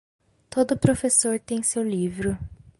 Todo professor tem seu livro.